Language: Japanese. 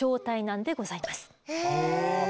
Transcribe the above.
へえ。